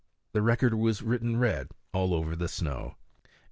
The record was written red all over the snow.